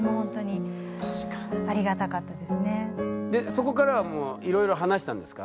そこからはもういろいろ話したんですか？